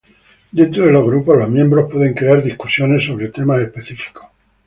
Dentro de los grupos, los miembros pueden crear discusiones sobre temas específicos.